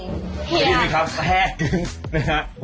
ไอเลี่ยแฮกื้นนะคะ